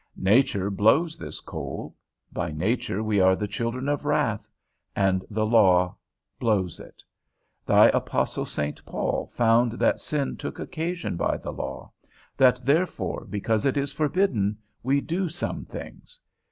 Nature blows this coal; by nature we are the children of wrath; and the law blows it; thy apostle Saint Paul found that sin took occasion by the law, that therefore, because it is forbidden, we do some things.